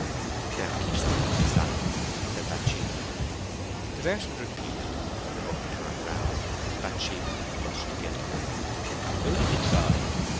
"Now keep steady, and be silent," said Bathsheba. The verse was repeated; the book turned round; Bathsheba blushed guiltily. "Who did you try?"